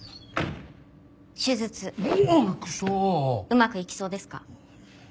うまくいきそうですか？